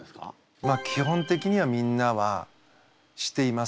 まあ基本的にはみんなはしています。